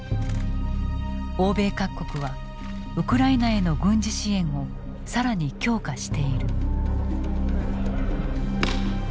欧米各国はウクライナへの軍事支援を更に強化している。